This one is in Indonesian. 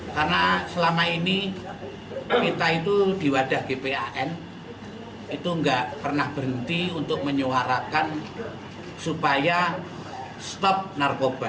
karena selama ini kita itu di wadah gpan itu nggak pernah berhenti untuk menyuarakan supaya stop narkoba